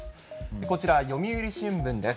こちら、読売新聞です。